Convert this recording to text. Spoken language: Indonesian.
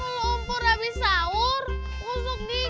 makanya mau ompur abis sahur ngusuk gigi dong